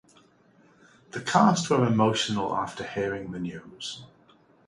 The cast were emotional after hearing the news.